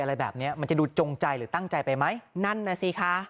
อะไรแบบเนี้ยมันจะดูจงใจหรือตั้งใจไปไหมนั่นน่ะสิคะ